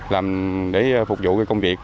làm để phục vụ cái công việc